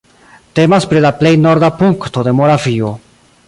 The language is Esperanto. Temas pri la plej norda punkto de Moravio.